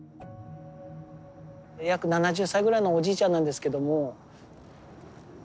約７０歳ぐらいのおじいちゃんなんですけども。